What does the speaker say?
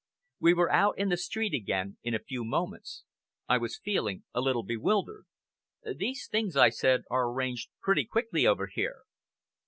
We were out in the street again in a few moments. I was feeling a little bewildered. "These things," I said, "are arranged pretty quickly over here."